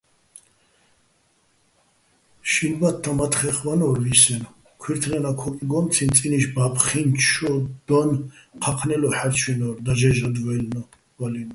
შინ ბათთა მათთეხ ვანო́რ ვისენო̆, ქუჲრთლენა ქოკიგომციჼ წინი́შ ბა́ფხინჩო დო́ნ ჴაჴნელო ჰ̦არჩვინო́რ დაჟე́ჟადვალინო̆.